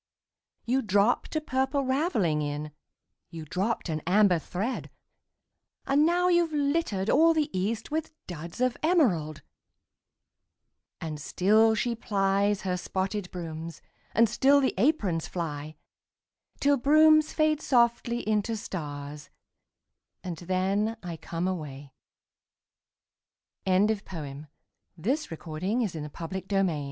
You dropped a Purple Ravelling in You dropped an Amber thread And now you've littered all the east With Duds of Emerald! And still she plies her spotted Brooms, And still the Aprons fly, Till Brooms fade softly into stars And then I come away Emily Dickinson (1861) There's a certain Slant of ligh